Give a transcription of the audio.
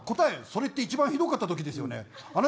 それって一番ひどかったときですよね。